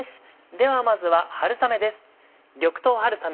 ではまずは春雨です。